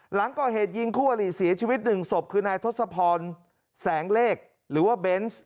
หลังก่อเหตุยิงคู่อลิเสียชีวิตหนึ่งศพคือนายทศพรแสงเลขหรือว่าเบนส์